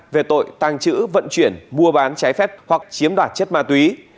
về tội tàng trữ vận chuyển mua bán trái phép hoặc chiếm đoạt chất ma túy